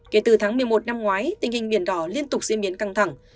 kể từ tháng một mươi một năm ngoái tình hình biển đỏ liên tục diễn biến căng thẳng